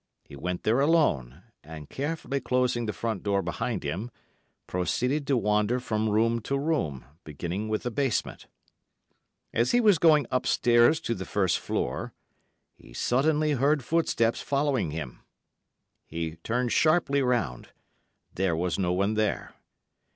He went there alone, and, carefully closing the front door behind him, proceeded to wander from room to room, beginning with the basement. As he was going upstairs to the first floor, he suddenly heard footsteps following him. He turned sharply round; there was no one there.